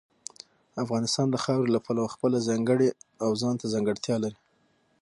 افغانستان د خاورې له پلوه خپله ځانګړې او ځانته ځانګړتیا لري.